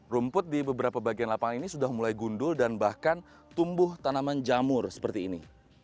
rumput di beberapa bagian lapangan ini sudah mulai gundul dan bahkan tumbuh tanaman jamur seperti ini